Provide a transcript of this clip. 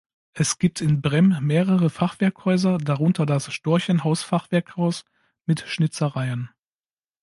Es gibt in Bremm mehrere Fachwerkhäuser, darunter das Storchenhaus-Fachwerkhaus mit Schnitzereien.